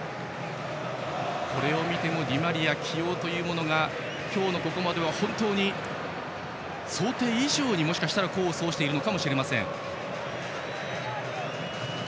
これを見てもディマリア起用というのが今日のここまでは本当に想定以上に功を奏しているかもしれません。